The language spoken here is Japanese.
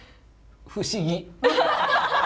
不思議。